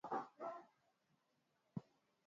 Viambaupishi vya juisi ya viazi lishe